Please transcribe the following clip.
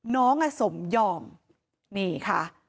น้องสมยอมนี่ค่ะ